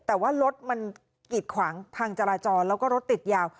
แต่ว่ารถมันกีดขวางทางจราจรแล้วก็รถติดยาว